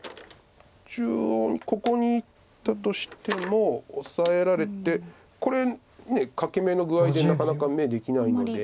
中央ここにいったとしてもオサえられてこれ欠け眼の具合でなかなか眼できないので。